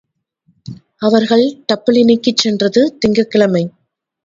அவர்கள் டப்ளினிக்குச் சென்றது திங்கட்கிழமை.